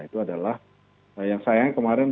itu adalah yang sayang kemarin